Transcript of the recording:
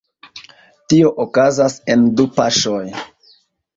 Tio okazas en du paŝoj.